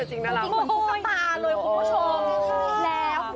จริงเหมือนสุกตาเลยคุณผู้ชม